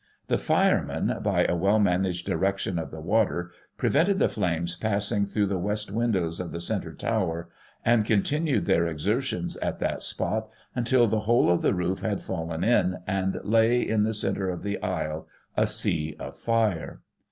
The firemen, by a well managed direction of the water, prevented the flames passing through the west windows of the centre tower, and continued Digiti ized by Google 136 GOSSIP. [1840 their exertions at that spot, until the whole of the roof had fallen in, and lay, in the centre of the aisle, a sea of fire.